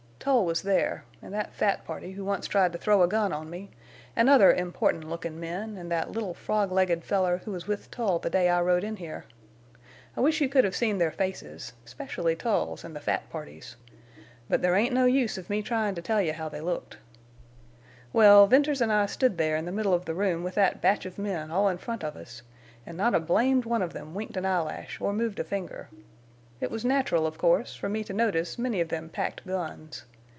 Tull was there, an' that fat party who once tried to throw a gun on me, an' other important lookin' men, en' that little frog legged feller who was with Tull the day I rode in here. I wish you could have seen their faces, 'specially Tull's an' the fat party's. But there ain't no use of me tryin' to tell you how they looked. "Well, Venters an' I stood there in the middle of the room with that batch of men all in front of us, en' not a blamed one of them winked an eyelash or moved a finger. It was natural, of course, for me to notice many of them packed guns.